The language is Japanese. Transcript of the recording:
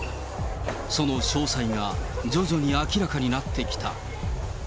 その詳細が徐々に明らかになってきた。